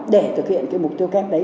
để thực hiện cái mục tiêu kép đấy